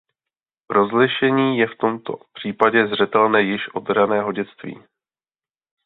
Rozlišení je v tomto případě zřetelné již od raného dětství.